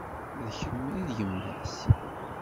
D kemm i d yemma-s?